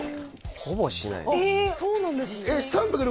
ほぼしないですえ！